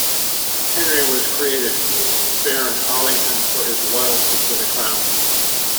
Henry was created Baron Arlington for his loyalty to the crown.